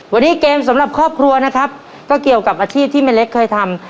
วันนี้เกมสำหรับครอบครัวนะครับก็เกี่ยวกับอาชีพที่แม่เล็กเคยทำ